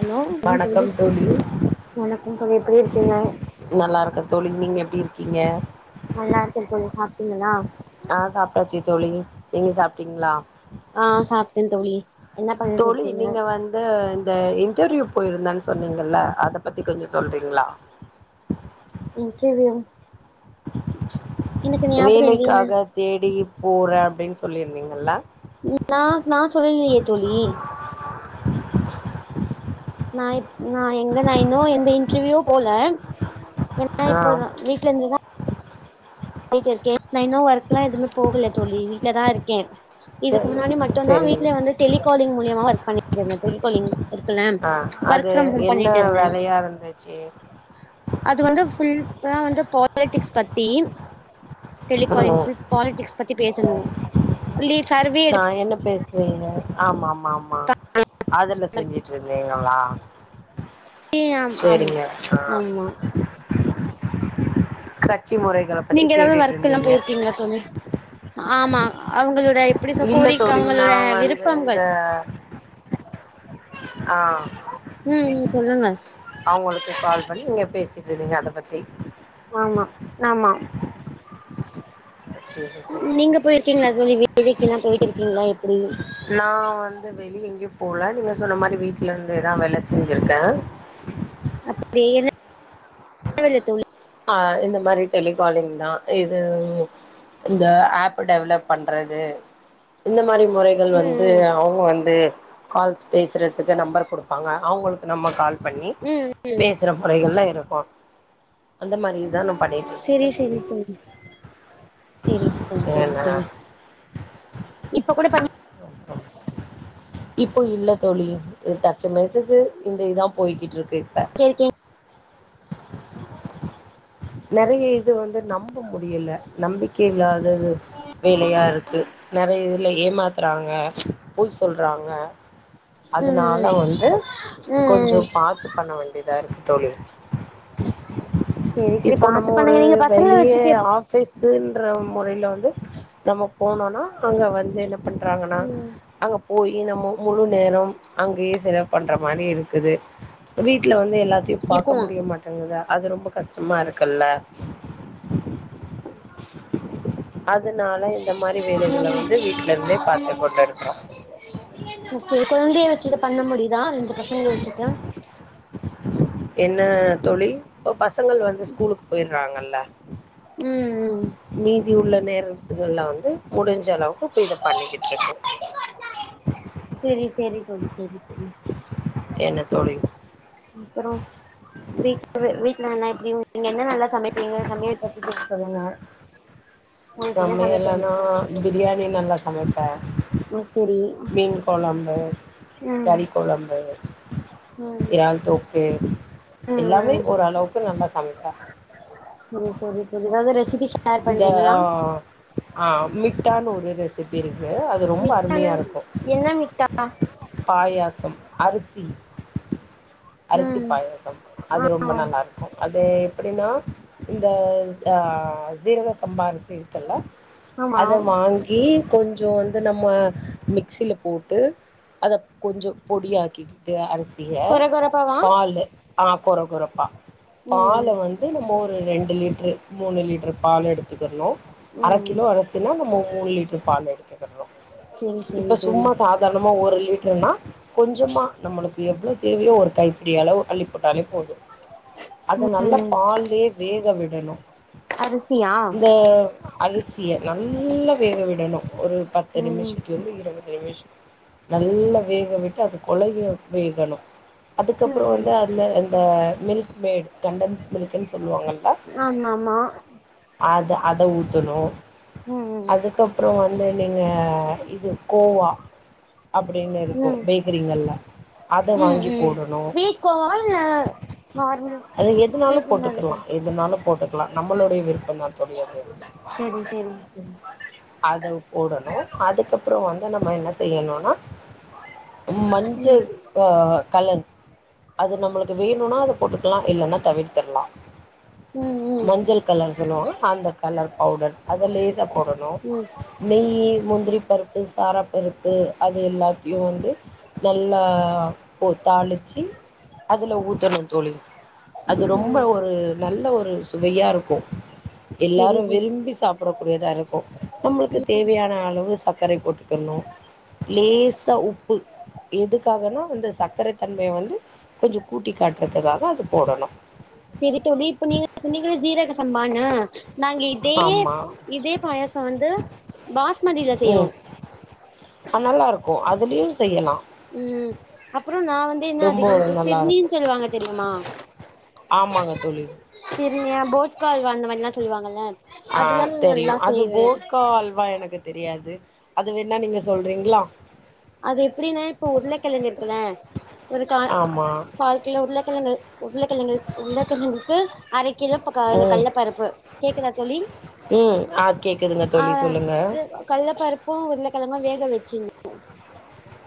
Hello [unintelligible] வணக்கம் தோழி வணக்கம் சார் எப்படி இருக்கிங்க நல்லா இருக்க தோழி நீங்க எப்டி இருக்கிங்க நல்லா இருக்க தோழி சாப்ட்டிங்களா ஆ சாப்டாச்சு தோழி நீங்க சாப்டிங்ளா ஆ சாப்ட்ட தோழி என்ன பண்ணிட்டு தோழி இருக்கீங்க நீங்க வந்து இந்த இன்டர்வியூ போயிருந்தன் சொன்னிங்கல்ல அத பத்தி கொஞ்ச சொல்றிங்ளா இன்டர்வியூ எனக்கு ஞாபகம் இல்லையே வேலைக்காக தேடி போற அப்டின் சொல்லிருந்திங்கல்ல நா நா சொல்லலயே தோழி நா இ நா எங்க நா இன்னு எந்த இன்டர்வியூ போல ஏன்னா ஆ இப்ப நா வீட்ல இருந்துதா ருக்கே நா இன்னோ ஒர்க்லா எதுமே போகல தோழி வீட்லதா இருக்கே இதுக்கு சரி முன்னாடி மட்டுந்தா சரி வீட்ல வந்து டெலிகாலிங் மூலியமா ஒர்க் பண்ணிட்ருந்த டெலிகாலிங் ஒருத்தன ஆ ஒர்க் அது ஃப்ரம் ஹோம் என்ன பண்ணிட்டுருந்தே வேலையா இருந்துச்சு அது வந்து ஃபுல் ஆ வந்து பாலிடிக்ஸ் பத்தி டெலிகாயின் ம் பில் பாலிடிக்ஸ் பத்தி பேசணு லீஸ்ட் நா என்ன பேசுவீங்க ஆமா ஆமா மாமா அதுல செஞ்சுட்ருந்தீங்களா ஆமா சரிங்க ஆ ஆமா கட்சி முறைகள பத்தி நீங்க ஏதாவது கேட்டுட்டு ஒர்க் எல்லா இருந்தீங்க போயிருக்கீங்களா தோழி ஆமா அவங்களோட எப்படி சொ இல்ல கோரி தோழி நா அவங்களோட வந்து இந்த விருப்பங்கள் ஆ ம் சொல்லுங்க அவங்களுக்கு கால் பண்ணி நீங்க பேசிட்ருந்தீங்க அத பத்தி ஆமா நாமா சேரி சேரி நீங்க போயிருக்கீங்களா தோழி வேதக்க எல்லா போய்ட்டு இருக்கீங்களா எப்டி நா வந்து பெரிய ஐ போல நீங்க சொன்ன மாரி வீட்டுலருந்து ஏதா வேல செஞ்சிருக்கே அப்டியேதா [inaudible] தோழி அ இந்த மாரி டெலிகாலிங் தா இது இந்த ஆப் டெவலப் பண்றது இந்த மாரி முறைகள் ம் வந்து ம் அவங்க வந்து கால்ஸ் பேசுறதுக்கு நம்பர் குடுப்பாங்க அவங்களுக் நம்ம கால் பண்ணி ம் பேசுற முறைகள்லா இருக்கோ அந்த மாரிதா நா பண்ணிட்டு இருந்துருக்கே சரி தோழி சரி சரி தோழி சரி ஏன்னா தோழி இப்ப கூட பண்ண இப்போ இல்ல தோழி தற்சமயரத்துக்கு இந்த இதா போய்கிட்ருக் கு இப்ப பண்ணிட்டே இருக்கீங்க நெறைய இது வந்து நம்ப முடியல நம்பிக்கை இல்லாத [unintelligible] வேலையா இருக்கு நெறைய இது இல்ல ஏமாத்துறாங்க போய் சொல்றாங்க ம் அதனால ம் வந்து ம் கொஞ்ச ம் பாத்து பண்ண வேண்டியதா இருக்கு தோழி செரி செரி இப்போ பாத்து நம்ம ஒரு பண்ணுங்க நீங்க பசங்கள வெளிய வச்சுட்டு எப் ஆபிஸ் ன்ற முறையில வந்து நம்ம போனோனா அங்க வந்து பண்றாங்கன்னா ம் அங்க போய் நம்மோ முழு நேரம் அங்கயே செலவு பண்ற மாரி இருக்குது வீட்டுல வந்து எல்லாத்தையு பாக்க இருக்குமா முடிய மாட்டேங்குதா அது ரொம்ப கஷ்டமா இருக்கல்ல ஹ அதனால இந்த மாரி ம் வேலைகள வந்து வீட்ல இருந்தே பாத்து கொண்டு இருக்குறோ கு குழந்தைய வச்சுட்டு பண்ண முடியுதா ரெண்டு பசங்கள வச்சுட்டு என்ன தோழி இப்ப பசங்கள் வந்து ஸ்கூலுக்கு போய்றாங்கல்ல ம் ம் மீதி உள்ள நேரத்துகள்லா வந்து முடிஞ் கொஞ்ச அளவுக்கு இப்ப இத பண்ணிக்கிட்ருக்கு சரி சரி தோழி சரி [unintelligible] என்ன தோழி அப்புற வீட்டுல வீட்டுல நன நீங்க என்ன நல்லா சமைப்பீங்க சமைய பத்தி தெ சொல்லுங்க உங்களுக்கு என்ன செமைய சமைக்க ரொம்ப எல்லானா பிடிக்குது பிரியாணி நல்லா சமைப்பே ஓ செரி மீன் கொழம்பு ம் கறி கொழம்பு ம் யள் தோ கே எல்லாமே ம் ஓரளவுக்கு நம்ம சமைப்பே செரி செரி தோழி ஏதாவது ரெசிபி ஷேர் இந்த பண்றீங்களா ஆ ஆ மிட்டான்னு ஒரு ரெசிபி இருக்கு [inaudible] அது ரொம்ப மிட்டானா அருமையாருக்கு என்ன மிட்டா பாயாசம் அரிசி அரிசி ம் பாயசம் அது ரொம்ப ஆ நல்லாருக்கு அ து எப்படினா இந்த அ சீரக சம்பா அரிசி இருக்குல்ல ஆமா அத வாங்கி கொஞ்சோ வந்து நம்ம மிக்சில போட்டு அத கொஞ்சோ பொடியாக்கிக்கிட்டு அரிசிய கொர கொரப்பாவா பாலு அ கொற கொறப்பா பால ம் வந்து நம்ம ஒ ரு ரெண்டு லிட்ரு மூணு லிட்ரு பால் எடு த்துக்கட்னோ அர ம் கிலோ அரிசினா நம்ம மூண் லிட்ரு பால் எடு க்கனோ செரி செரி இப்ப தோழி சும்மா சாதார்ணமா ஒரு லிட்ருனா கொஞ்சமா நம்மளுக்கு எவ்ளோ தேவையோ ஒரு கைப்பிடி அளவு அள்ளி போட்டாலே போது அத நல்லா ம் பால்லே வேக விடணு அரிசியா இந்த அரிசிய நல்லா வேக விடனோ ஒரு பத்து ம் நிமிஷத்லந்து இருவது நிமிஷ நல்லா வேக விட்டு அது கொழைய வேகணு அதுக்கப்புறோ ம் வந்து அதுல அந் த மில்க் மேட் கண்டென்ஸ் மில்குன் சொல்லுவாங்கல ஆமாமா அதா அத ஊத்தனோ ம் ம் அதுக்கப்புறோ வ ந்து நீங்க இது கோவா அப்படீன் இருக்கு ம் பேக்கரீங்கல்ல அத வாங்கி [unintelligible] போடணு ஸ்வீட் கோவாவா இல்ல நார்மல் அது எதுனாலு ஸ்வீட் இல்லாதது போட்டுக்கிட்லா எதுனாலு போட்டுக்லா நம்பளுடைய விருப்பந்தா [unintelligible] செரி செரி செரி அத போடணு அதுக்கப்புறோ வந்து நம்ம என்ன செய்யணுனா மஞ்ச ம் அ கலர் அது நம்மளுக்கு வேணுனா அத போட்டுக்குலா இல்லனா தவிர்த்திர்லா ம் ம் மஞ்சள் கலர் சொல்லுவாங்க அந்த கலர் பௌடர் அத லேசா போடணு ம் நெய்யி முந்திரி பருப் பு சாராப்பருப்பு அது எல்லாத்தியு வந்து நல்லா சோ தாளிச்சி அதுல ஊத்தனு தோழி அது ரொம்ப ம் ஒரு நல்ல ஒ ரு சுவையாருக்கு செரி எல்லாரு செரி விரும்பி சாப்பிடக் கூடியதா இருக்கு நம்ளுக்கு தேவையான அளவு சர்க்கரை போட் க்கனோ லேசா உப்பு எதுக்காகனா வந்து ச தன்மைய வந்து கொஞ்சோ கூட்டி காட்டறதுக்காக அது போடணு செரி தோழி இப்ப நீங்க சொன்னீங்கல்ல சீரக சம்பான்னு நாங்க இதே ஆமா இதே பாயசோ வந்து பாஸ்மதில செய்வோ அ நல்லாருக்கோ அதுலியு செய்யலா ம் அப்பறோ நா வந்து இன்னு ரொம்ப அதிகம் ஒரு நல்லா இருக்கு சிர்னீன் சொல்லுவாங்க தெரியுமா ஆமாங்க தோழி சிருனியா போட்கா அல்வால்ன்னு ஆ தெரியு அது செய்வே போட்கா அல்வா எனக்கு தெரியாது அது வேண்ணா நீங்க சொல்றீங்ளா அது எப்புடினா இப்போ உருளக்கெழங்கு இருக்குல்ல ஒரு கால் ஆமா கால் கிலோ உருளக்கெழங்கு உருளக்கெழங்கு உள்ளக்கிழங்குக்கு அரக்கிலோ பக்கோ இது ம் கல்ல பருப்பு கேக்குதா தோழி ம் ஆ கேக்குதுங்க ஆ தோழி சொல்லுங்க [unintelligible] கல்ல பருப் பு உருளக்கெழங்கோ வேக வெச்சின்னோ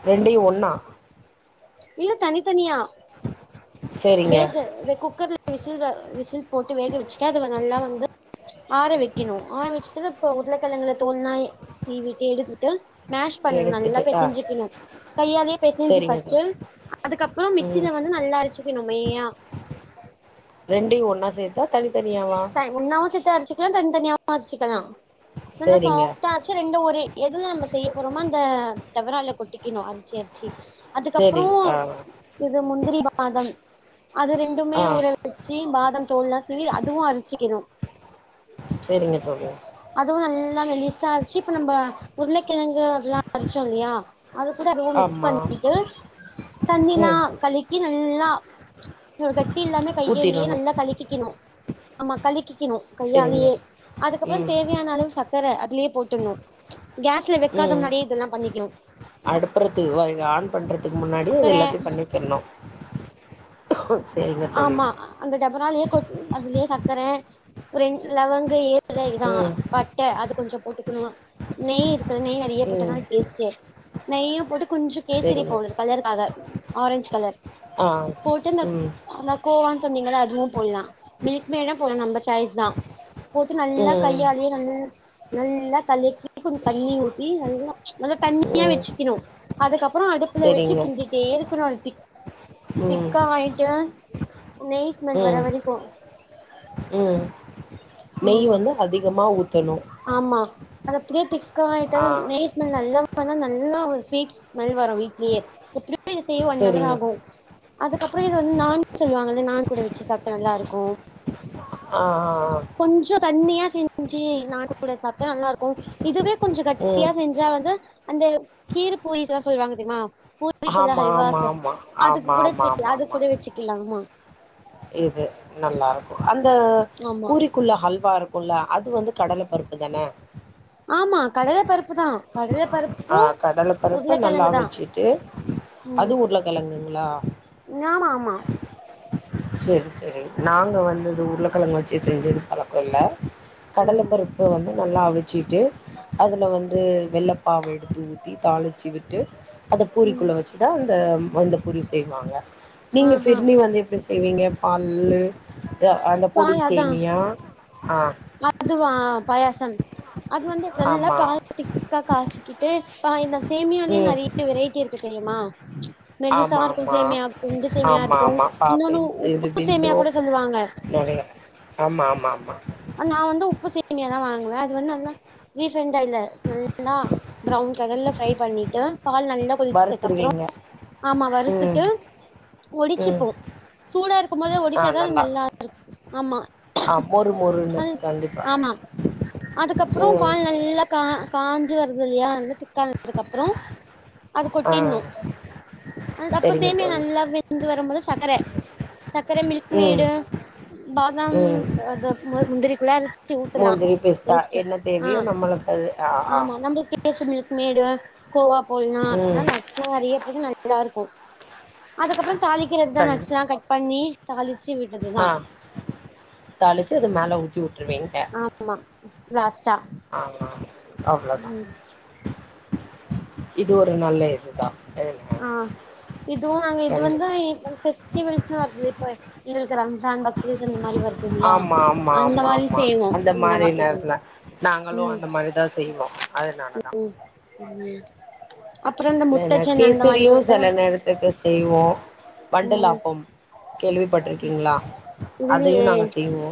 ரெண்டையு ஒன்னா இல்ல தனி தனியா சேரிங்க வேக வே குக்கர்ல விசில விசில் போட்டு வேக வெச்சிட்டு அதுல நல்லா வந்து ஆர வெக்கினு ஆர வெச்சிட்டுல இப்போ உருளக்கெழங்குல தோல்லா சீவீட்டு எடுத்துட்டு மேஷ் பண்ணு நல்லா எடுத்துட்டு ஆ பெசஞ்சிக்கினோ கையால்யே பெசஞ்சி சேரிங்க பெஸ் தோ அதுக்கப்பறோ ம் மிக்சீல வந்து நல்லா அரச்சிக்கணு மையா ரெண்டையு ஒன்னா சேத்தா தனித்தனியாவா ஒன்னாவு சேத்து அரச்சிக்கலா தனித்தனியாவு அரச்சிக்கலா நல்லா சேரிங்க சாஃப்ட்டா ஆச்சி ரெண்டு ஒரு எதுல நம்ம செய்ய போறோமோ அந்த டவறால கொட்டிக்கணு அரச்சி அரச்சி சேரி அதுக்கப்பறோ ஆ இது முன்ன முந்திரி பாதாம் அது ரெண்டுமே ஆ ஊற வச்சி பாதாம் தோல்லா சீவி அதுவு அர சேரிங்க தோழி அதுவு நல்லா மெலிசா அரச்சி இப்ப நம்ப உருளை கிழங்கு அதெல்லா அரச்சோ இல்லயா அது கூட அதுவு மிக்ஸ் ஆமா பண்ணீட்டு தண்ணிலா ம் கலக்கின்னு நல்லா கட்டி இல்லாமே கையாலயே ஊத்திரணு நல்லா கலக்கிக்கணு ஆமா கழக்கிக்கிணு சேரிங்க கையாலயே அதுக்கப்பறோ ம் தேவையான அளவு சக்கர அதுலயே போட்டுன்ணு கேஸ்ல வக்காத முன்னாடியே இதெல்லா பண்ணிக்கணு இது வை ஆன் பண்றதுக்கு முன்னாடியே எல்லாத்தயு சக்கர பண்ணிக்கணு ஆமா அந்த டபராலயே கொட் அதுலயே சக்கர ரென் லவங்க ஏ இதா ம் பட்டை அது கொஞ்சோ போட்டுக்கணு நெய் இருக்கு நெய் நெறைய போட்டா ம் தா டேஸ்டே நெய்யு போட்டு கொஞ்சோ கேசரி செரிங்க பவுடர் கலருக்காக ஆரஞ்ச் கலர் ஆ போட்டு அந்த ம் கோவான்னு சொன்னீங்கள்ள அதுவு போடலா மில்க் மெய்ட்ம் போடலா நம்ம சாய்ஸ் தா போட்டு நல்லா ம் கையாலயே நல் நல்லா கலக்கி கொஞ்சோ தண்ணி ஊத்தி நல்லா நல்ல தண்ணியா ம் வச்சிக்கணு அதுக்கப் அப்பறோ அடுப்புல வச்சி செரிங்க கிண்டிட்டே இருக்கணு அது திக் ம் திக்கா ஆயிட்டு நெய் ஸ்மெல் வர ம் வரைக்கு ம் நெய் வந்து அதிகமா ஊத்தணு ஆமா அது அப்டியே திக்கா ஆ ஆயிட்டா நெய் ஸ்மெல் நல்லா வரு நல்லா ஒரு ஸ்வீட் ஸ்மெல் வரு வீட்லயே எப்டியு இத செய்ய ஒன் அவர் செரிங்க ஆகு அதுக்கப்பறோ இத வந்து நான்ன்னு சொல்லுவாங்கல்ல நான் கூட வச்சி சாப்ட்ட நல்லா இருக்கு ஆ ஆ ஆ கொஞ்சோ தண்ணியா செஞ் செஞ்சி நான் கூட சாப்டா நல்லா இருக்கு இதுவே கொஞ்சோ ஆ கட்டியா ம் செஞ்ச வந்து அந்த கீ பூரீஸ்லா சொல்லுவாங்க தெரியுமா பூவிக்குள்ள ஆமா ஆமா ஹைவாசம் ஆமா அதுக்கு ஆமா கூட ஆமா தெரிய ஆமா அது ஆமா கூட வச்சிக்கலாமா இது நல்லா இருக்கு அந்த ஆமா பூரிக்குள்ள ஹல்வா இருக்குல்ல அது வந்து கடல பருப்பு தான ஆமா கடல பருப்பு தான் கடலை ஆ பருப்பும் கடல பருப்பு நல்லா உருளக்கிழங்கு தான் வச்சுட்டு ம் அது உருளக்கெழங்குங்களா ஆமா ஆமா சரி சரி நாங்க வந்துது உருளைக்கிழங்கு வச்சு செஞ்சது பழக்கம் இல்ல ம் கடலப்பருப்பு வந்து நல்லா அவிச்சிட்டு அதுல வந்து வெள்ள பாவ எடுத்து ஊத்தி தாளிச்சி விட்டு அத ம் பூரிக்குள்ள வச்சுதா அந்த அந்த பூரி செய்வாங்க நீங்க ஆஹா பிர்னி வந்து எப்டி செய்வீங்க பால்லு அந்த பொடி பால் அதா சேமியா ஆ அதுவா பாயாசம் அது வந்து நல்லா ஆமா பாலத்திக்கா காய்ச்சிக்கிட்டு இப்பா இந்த சேமியாலேயே ம் நறைய வெரைட்டி இருக்கு தெரியுமா மெல்லிசா ஆமா இருக்கும் ஆமா சேமியா இருக்கும் இஞ்சி சேமியா ஆமா இருக்கும் ஆமா இன்னொன்னு உப்பு சேமியா கூட சொல்லுவாங்க நறையா ஆமா ஆமா ஆமா நா வந்து உப்பு சேமியா தா வாங்குவேன் அது வந்து நல்லா ரிபன்டாயில நல்லா பிரவுன் கலர்ல ப்ரை பண்ணிட்டு பால் நல்லா கொதிச்சதுக்கு அப்புறம் வறுத்துருவீங்க ஆமா ம் வருத்துட்டு ம் ஒடிச்சுப்போம் சூடா இருக்கும் போது ஒடிச்சாதான் நல்லா இருக்கும் ஆமா ஆ மொறு மொறுன்னு அது கண்டிப்பா. ஆமா அதுக்கப்புறம் ம். பால் நல்லா கா காஞ்சு வருது இது இல்லையா வந்து திக்காந்ததுக்கு அப்புறம் அது ஆ கொட்டிணும் அ அப்ப சரிங்க சேமியா தோழி. நல்லா வெந்து வரும்போது சக்கரை சக்கர மில்க் ம், மேடு பாதாம் ம். அது முந்திரிக்குள்ள அறச்சு ஊத்தலாம் முந்திரி, பிஸ்தா பேஸ்ட் என்ன ஆ தேவையோ நம்மளுக்கு அது ஆ, ஆ. ஆமா வந்து பேஸ்ட் ய மில்க் மேடு கோவா ம். போடல்லாம் நட்ஸ் நிறையா போடு நல்லா இருக்கும் அதுக்கப்புறம் தாளிக்கிறது தான கண்டி நட்ஸெலாம் கட் பண்ணி தாளிச்சு விட்டறது ஆ தான் தாளிச்சு அது மேலே ஊத்தி விட்டு ஆமா லாஸ்ட் ஆமா அவ்ளதான் இது ஒரு நல்ல இதுதான் ஏன்னா ஆ இதுவும் நாங்க இது வந்து கண்டிப்பா. பெஸ்டிவல்ஸ்ன வருது இப்போ எங்களுக்கு ரம்ஜான் பக்ரீத் அந்த மாதிரி வருது இல்லையா ஆமா ஆமா அந்த ஆமா மாரி ஆமா செய்வோ அந்த இந்த மாதிரி மா இது நேரத்துல நாங்களும் ம் அந்த மாதிரிதான் செய்வோம் அதனால தான் அப்புற இந்த முத்தட் கேசரியும் சில நேரத்துக்கு செய்வோ ம் வண்டுலாப்பம் கேள்விப்பட்டிருக்கீங்ளா அதையு இல்லையே நாங்க செய்வோ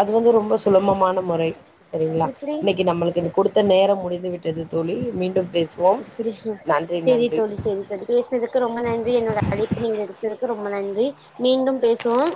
அது வந்து ரொம்ப சுலமமான முறை சரிங்களா எப்டி இன்னைக்கு நம்மளுக்கு கொடுத்த நேரம் முடிந்து விட்டு டெது தோழி மீண்டும் பேஸ் அப்படியா செரி தோழி செரி தோழி பேசினதுக்கு ரொம்ப நன்றி என்னோட அழைப்பு நீங்க எடுத்ததற்கு ரொம்ப நன்றி மீண்டும் பேசுவோம்